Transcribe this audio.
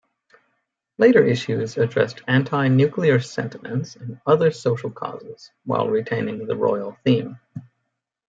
Later issues addressed anti-nuclear sentiments and other social causes while retaining the royal theme.